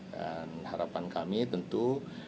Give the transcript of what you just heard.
dan harapan kami tentu